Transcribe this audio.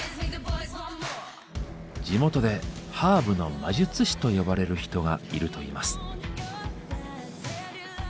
地元で「ハーブの魔術師」と呼ばれる人がいるといいます。